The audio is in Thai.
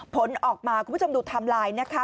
ผลออกมาคุณผู้ชมดูไทม์ไลน์นะคะ